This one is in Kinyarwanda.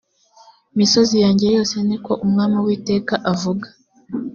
misozi yanjye yose ni ko umwami uwiteka avuga